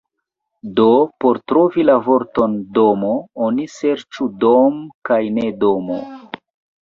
Do por trovi la vorton "domo", oni serĉu "dom" kaj ne "domo".